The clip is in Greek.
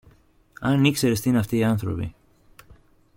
Αν ήξερες τι είναι αυτοί οι άνθρωποι!